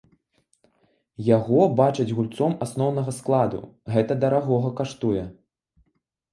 Яго бачаць гульцом асноўнага складу, гэта дарагога каштуе.